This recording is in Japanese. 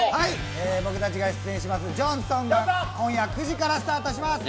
僕たちが出演します「ジョンソン」が今夜９時からスタートします。